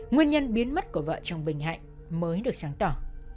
nguyên nhân biến mất của vợ chồng bình hạnh mới được sáng tỏ